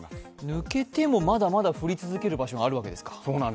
抜けてもまだまだ降り続けるところがあるんですか？